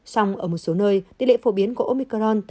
xong ở một số nơi tỷ lệ phổ biến của omicron